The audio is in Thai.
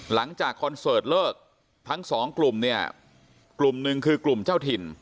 คอนเสิร์ตเลิกทั้งสองกลุ่มเนี่ยกลุ่มหนึ่งคือกลุ่มเจ้าถิ่น